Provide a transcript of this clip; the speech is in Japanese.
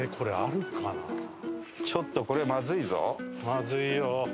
まずいよ！